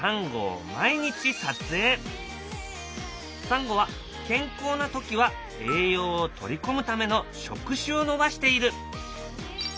サンゴは健康な時は栄養を取り込むための触手を伸ばしている。